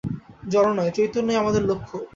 জড় নয়, চৈতন্যই আমাদের লক্ষ্য।